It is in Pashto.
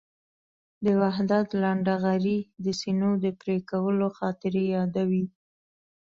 د وحدت لنډهغري د سینو د پرېکولو خاطرې یادوي.